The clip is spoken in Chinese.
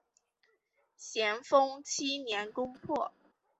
咸丰七年攻破。